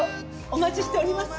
お待ちしております。